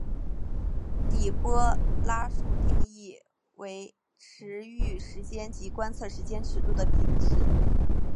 底波拉数定义为驰豫时间及观测时间尺度的比值。